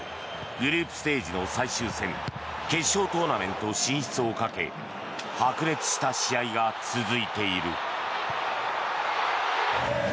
グループステージの最終戦決勝トーナメント進出をかけ白熱した試合が続いている。